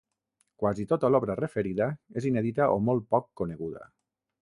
Quasi tota l'obra referida, és inèdita o molt poc coneguda.